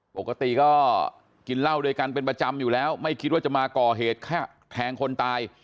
ปกติก็กินเหล้าด้วยกันเป็นประจำอยู่แล้วไม่คิดว่าจะมาก่อเหตุแค่แทงคนตาย